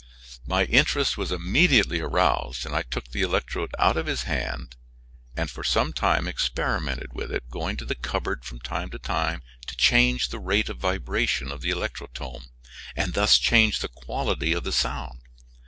My interest was immediately aroused, and I took the electrode out of his hand and for some time experimented with it, going to the cupboard from time to time to change the rate of vibration of the electrotome, and thus change the quality of the sound.